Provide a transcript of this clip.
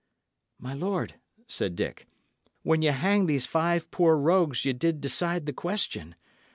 "My lord," said Dick, "when ye hanged these five poor rogues ye did decide the question.